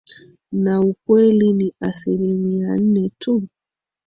na ukweli ni asilimia nne tu